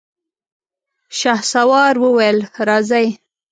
شهسوار وويل: راځئ!